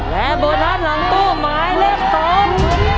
และโบนัสหลังตู้หมายเลขสอง